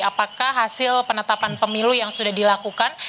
apakah hasil penetapan pemilu yang sudah dilakukan